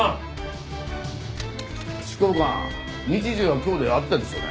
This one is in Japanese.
執行官日時は今日で合ってるんですよね？